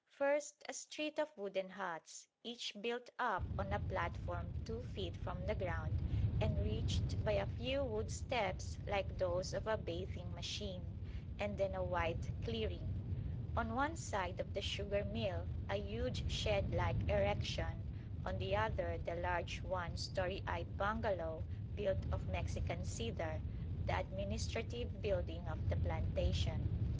First a street of wooden huts, each built up on a platform two feet from the ground, and reached by a few wood steps like those of a bathing machine, and then a wide clearing; on one side the sugar mill, a huge shed like erection, on the other the large one storeyed bungalow, built of Mexican cedar, the administrative building of the plantation.